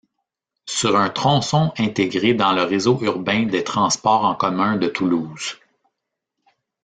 Sur un tronçon intégré dans le réseau urbain des Transports en commun de Toulouse.